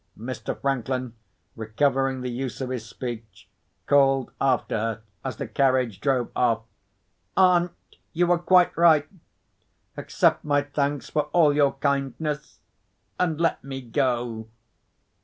Mr. Franklin, recovering the use of his speech, called after her, as the carriage drove off, "Aunt! you were quite right. Accept my thanks for all your kindness—and let me go."